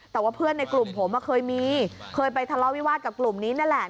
แต่ว่าเพื่อนในกลุ่มผมเคยมีเคยไปทะเลาวิวาสกับกลุ่มนี้นั่นแหละ